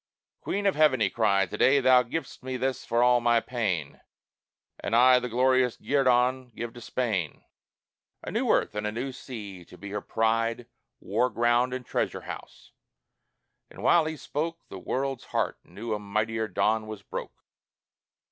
"Queen of Heaven," he cried, "To day thou giv'st me this for all my pain, And I the glorious guerdon give to Spain, A new earth and new sea to be her pride, War ground and treasure house." And while he spoke The world's heart knew a mightier dawn was broke.